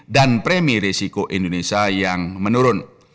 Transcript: dan premi risiko indonesia yang menurun